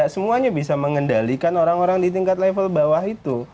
semuanya bisa mengendalikan orang orang di tingkat level bawah itu